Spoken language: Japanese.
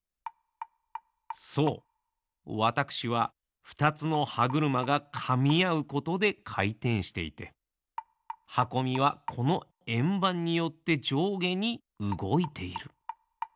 そうわたくしはふたつのはぐるまがかみあうことでかいてんしていてはこみはこのえんばんによってじょうげにうごいている。